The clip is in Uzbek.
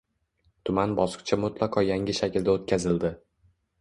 Tuman bosqichi mutlaqo yangi shaklda o‘tkazildi